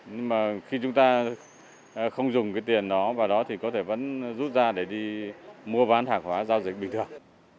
nhưng mà khi chúng ta không dùng cái tiền đó vào đó thì có thể vẫn rút ra để đi mua bán hàng hóa giao dịch bình thường